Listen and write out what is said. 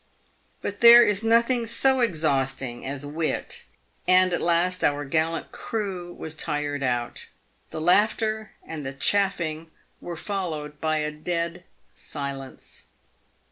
But there is nothing so exhausting as wit, and at last our gallant crew was tired out. The laughter and the "chaffing" were followed by a dead silence.